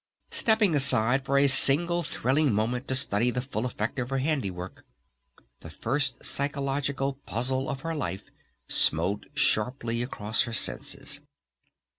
Stepping aside for a single thrilling moment to study the full effect of her handiwork, the first psychological puzzle of her life smote sharply across her senses.